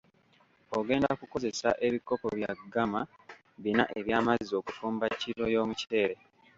Ogenda kukozesa ebikopo bya ggama bina eby'amazzi okufumba kiro y'omukyere.